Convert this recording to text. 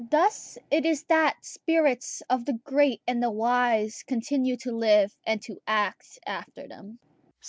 Thus it is that spirits of the great and the wise continue to live and to act after them.